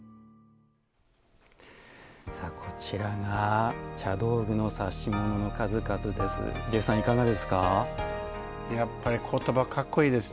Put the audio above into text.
こちらが茶道具の指物の数々です。